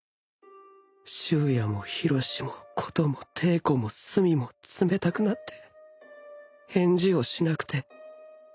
就也も弘もことも貞子も寿美も冷たくなって返事をしなくて